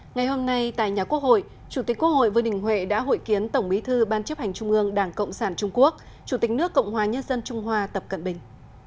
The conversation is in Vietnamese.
ngày hôm nay tại nhà quốc hội chủ tịch quốc hội vương đình huệ đã hội kiến tổng bí thư ban chấp hành trung ương đảng cộng sản trung quốc chủ tịch nước cộng hòa nhân dân trung hoa tập cận bình